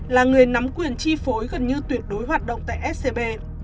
là người nắm quyền chi phối gần như tuyệt đối hoạt động tại scb